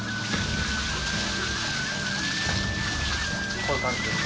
こういう感じですね。